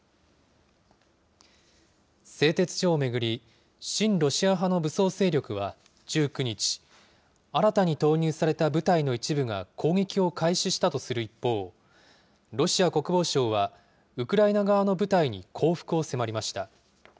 製鉄所を巡り、親ロシア派の武装勢力は１９日、新たに投入された部隊の一部が攻撃を開始したとする一方、ロシア国防省はウクライナ側の部隊に降伏を迫りました。